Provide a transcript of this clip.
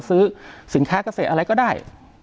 ซื้อสินค้าเกษตรอะไรก็ได้